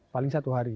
paling satu hari